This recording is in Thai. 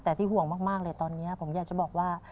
แต่ที่ห่วงมากเลยตอนนี้ผมอยากจะบอกว่า